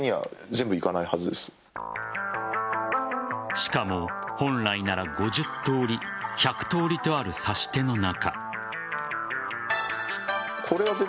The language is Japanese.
しかも本来なら５０通り、１００通りとある指し手の中。